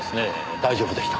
大丈夫でしたか？